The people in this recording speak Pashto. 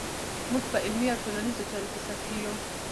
موږ په علمي او ټولنیزو چارو کې سطحي یو.